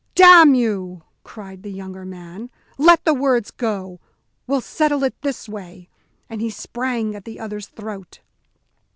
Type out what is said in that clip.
"Damn you," cried the younger man, "let the words go! we'll settle it this way" and he sprang at the other's throat.